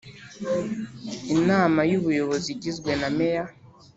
Inama y ubuyobozi igizwe na meya